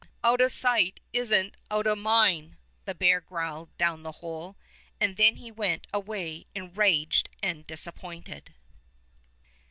"Out of sight is n't out of mind," the bear growled down the hole, and then he went away enraged and disappointed.